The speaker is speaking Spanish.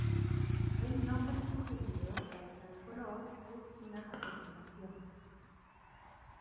El nombre sugerido para cada color es una aproximación.